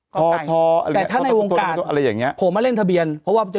ทอทออะไรอย่างเงี้ยแต่ถ้าในวงการผมมาเล่นทะเบียนเพราะว่ามันจะ